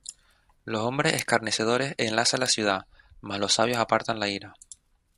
Los hombres escarnecedores enlazan la ciudad: Mas los sabios apartan la ira.